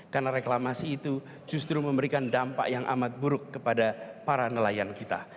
karena reklamasi itu justru memberikan dampak yang amat buruk kepada para nelayan kita